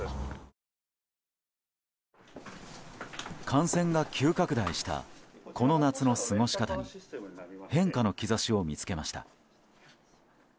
感染が急拡大したこの夏の過ごし方に変化の兆しを見つけました。